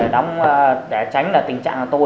đóng để tránh là tình trạng là tôi